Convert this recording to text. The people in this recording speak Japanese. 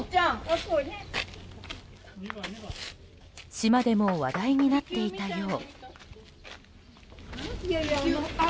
島でも話題になっていたよう。